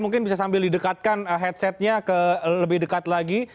mungkin bisa sambil didekatkan headsetnya lebih dekat lagi